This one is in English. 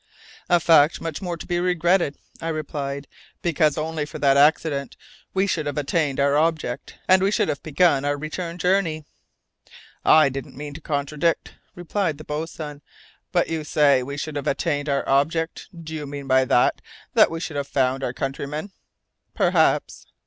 "A fact much more to be regretted," I replied, "because only for that accident we should have attained our object, and we should have begun our return journey." "I don't mean to contradict," replied the boatswain, "but you say we should have attained our object. Do you mean by that, that we should have found our countrymen?" "Perhaps."